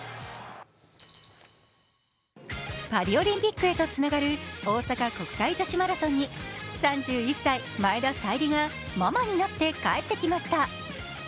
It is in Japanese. パリオリンピックへとつながる大阪国際女子マラソンに３１歳、前田彩里がママになって帰ってきました。